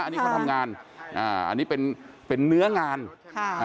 อันนี้เขาทำงานอ่าอันนี้เป็นเป็นเนื้องานค่ะอ่า